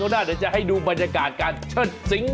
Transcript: แดดแรง